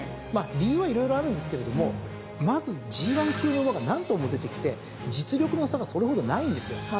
理由は色々あるんですけれどもまずＧⅠ級の馬が何頭も出てきて実力の差がそれほどないんですよ。